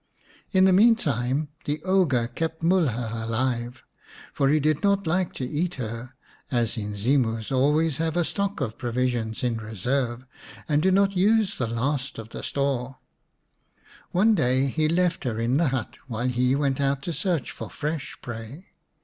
In the meantime the ogre kept Mulha alive, for he did not like to eat her, as Inzimus always 227 The Beauty and the Beast xix have a stock of provision in reserve, and do not use the last of the store. One day he left her in the hut while he went out to search for fresh prey.